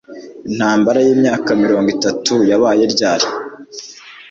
Intambara yimyaka mirongo itatu yabaye ryari? (wma)